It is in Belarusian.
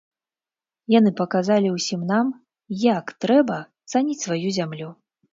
Яны паказалі ўсім нам, як трэба цаніць сваю зямлю!